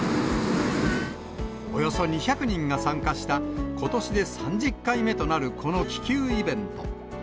およそ２００人が参加した、ことしで３０回目となるこの気球イベント。